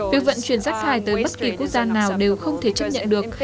việc vận chuyển rác thải tới bất kỳ quốc gia nào đều không thể chấp nhận được